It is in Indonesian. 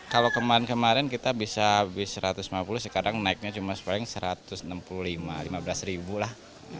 kalau kemarin kemarin kita bisa habis satu ratus lima puluh sekarang naiknya cuma satu ratus enam puluh lima lima belas ribu lah